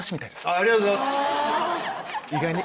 ありがとうございます。